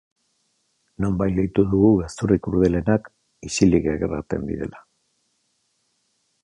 Nonbait leitu dugu gezurrik krudelenak, isilik erraten direla.